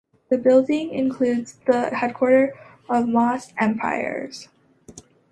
The building included the headquarters of Moss Empires.